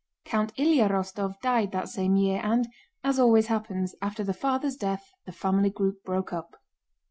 Count Ilyá Rostóv died that same year and, as always happens, after the father's death the family group broke up.